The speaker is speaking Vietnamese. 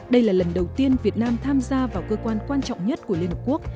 đây là lần đầu tiên việt nam tham gia vào cơ quan quan trọng nhất của liên hợp quốc